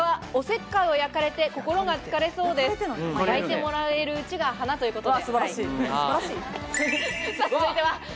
焼いてもらえるうちが華ということで。